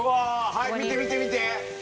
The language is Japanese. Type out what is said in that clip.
はい見て見て見て！